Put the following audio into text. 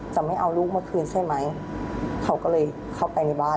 จะไม่เอาลูกมาคืนใช่ไหมเขาก็เลยเข้าไปในบ้าน